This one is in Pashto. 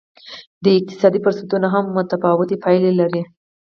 د اقتصادي فرصتونو هم متفاوتې پایلې لرلې.